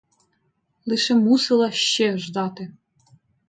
Лише мусила ще ждати.